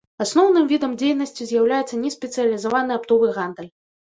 Асноўным відам дзейнасці з'яўляецца неспецыялізаваны аптовы гандаль.